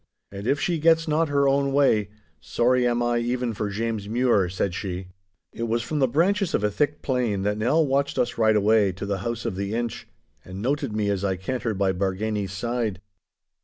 And if she gets not her own way, sorry am I even for James Mure!' said she. It was from the branches of a thick plane that Nell watched us ride away to the house of the Inch, and noted me as I cantered by Bargany's side.